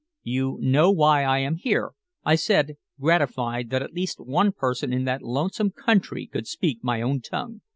"You know why I am here?" I said, gratified that at least one person in that lonesome country could speak my own tongue.